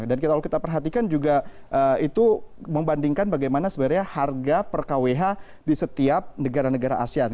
dan kalau kita perhatikan juga itu membandingkan bagaimana sebenarnya harga per kwh di setiap negara negara asean